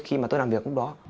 khi mà tôi làm việc lúc đó